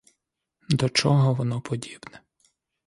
До чого воно подібне?!